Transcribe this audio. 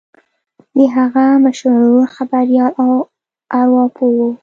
د هغه مشر ورور خبریال او ارواپوه و